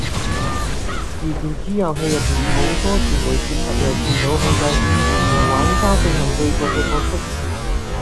而電子遊戲入面好多時會涉及由電腦控制，同玩家進行對局嘅角色